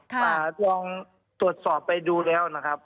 มาลองตรวจสอบไปดูแล้วนะครับ